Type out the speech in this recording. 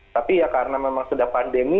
tapi ya karena memang sudah pandemi